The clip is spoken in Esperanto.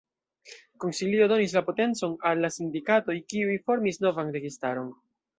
Konsilio donis la potencon al la sindikatoj, kiuj formis novan registaron.